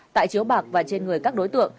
tại chiếu bạc và trên người các đối tượng